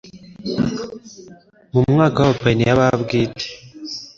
Mu mwaka wa abapayiniya ba bwite